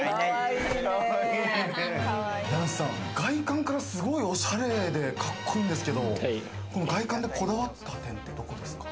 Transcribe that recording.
外観からすごいおしゃれで格好いいんですけど、外観でこだわった点って、どこですか？